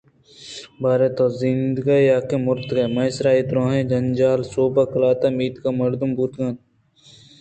باریں توزندگےیاکہ مرتُگے؟ مئے سرا اے دُرٛاہیں جنجال ءِ سوب قلاتءُمیتگ ءِ مردم بوت اَنت